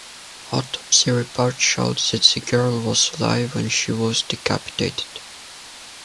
Autopsy reports showed that the girl was alive when she was decapitated.